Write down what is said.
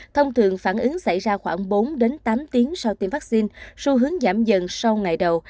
thông thường phản ứng xảy ra khoảng bốn tám tiếng sau tiêm vaccine xu hướng giảm dần sau ngày đầu